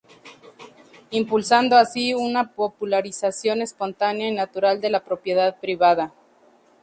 Impulsando así una popularización espontánea y natural de la propiedad privada.